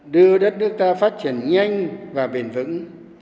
đưa đất nước ta phát triển nhanh và bền vững